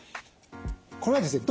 これはですね